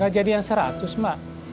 gak jadi yang seratus mbak